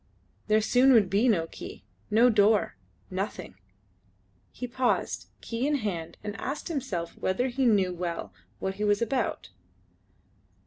There soon would be no key no door nothing! He paused, key in hand, and asked himself whether he knew well what he was about.